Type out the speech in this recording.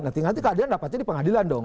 nanti nanti keadilan dapat jadi pengadilan dong